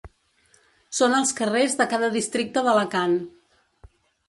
Són als carrers de cada districte d’Alacant.